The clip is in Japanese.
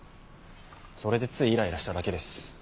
それでついイライラしただけです。